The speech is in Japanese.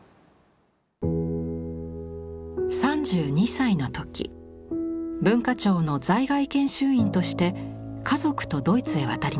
３２歳の時文化庁の在外研修員として家族とドイツへ渡ります。